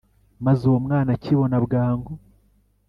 Maze uwo mwana akibona bwangu